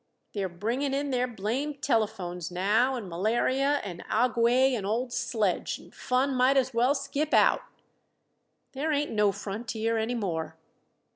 They're bringin' in their blamed telephones now and malaria and aigue and old sledge, and fun might as well skip out. There ain't no frontier any more.